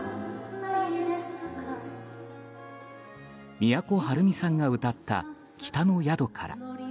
都はるみさんが歌った「北の宿から」。